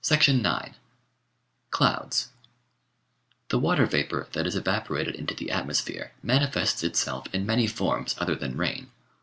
9 Clouds The water vapour that is evaporated into the atmosphere manifests itself in many forms other than rain.